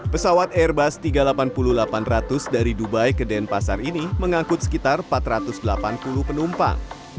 pesawat airbus tiga ratus delapan puluh delapan ratus dari dubai ke denpasar ini mengangkut sekitar empat ratus delapan puluh penumpang